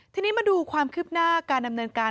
ทีนี้มาดูความคืบหน้าการดำเนินการ